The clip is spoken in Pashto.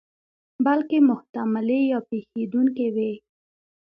بلکې محتملې یا پېښېدونکې وي.